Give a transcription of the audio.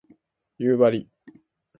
夕張